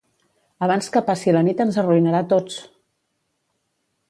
Abans que passi la nit ens arruïnarà a tots!